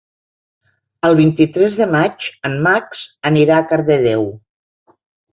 El vint-i-tres de maig en Max anirà a Cardedeu.